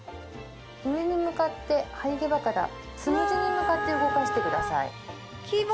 上に向かって生え際からつむじに向かって動かしてください。